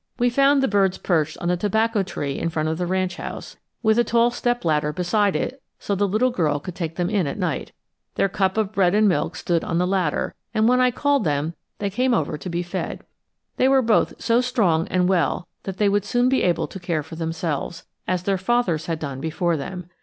We found the birds perched on the tobacco tree in front of the ranch house, with a tall step ladder beside it so the little girl could take them in at night. Their cup of bread and milk stood on the ladder, and when I called them they came over to be fed. They were both so strong and well that they would soon be able to care for themselves, as their fathers had done before them.